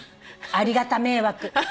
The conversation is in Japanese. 「ありがた迷惑」